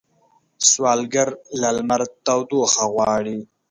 سوالګر له لمر تودوخه غواړي